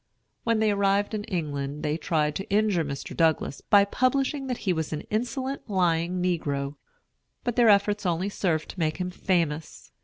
When they arrived in England they tried to injure Mr. Douglass by publishing that he was an insolent, lying negro; but their efforts only served to make him famous.